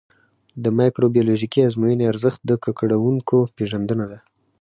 د مایکروبیولوژیکي ازموینې ارزښت د ککړونکو پېژندنه ده.